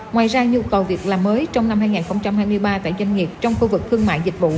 ngoài ra nhu cầu việc làm mới trong năm hai nghìn hai mươi ba tại doanh nghiệp trong khu vực thương mại dịch vụ